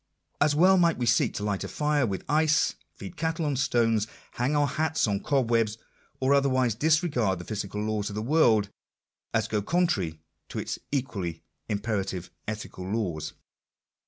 As well might we seek to light a fire with ice, feed cattle on stones, hang our hats on cobwebs, or otherwise disregard the physical laws of the world, as go con trary to its equally imperative ethical laws.